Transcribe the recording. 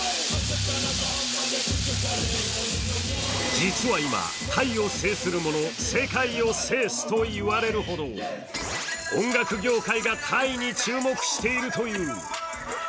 実は今、「タイを制する者、世界を制す」と言われるほど、音楽業界がタイに注目しているという。